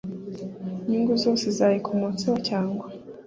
nyungu zose zayikomotseho cyangwa